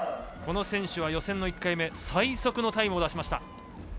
この選手は予選の１回目最速のタイムを出しました。